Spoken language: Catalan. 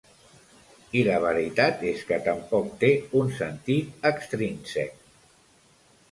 I la veritat és que tampoc té un sentit extrínsec.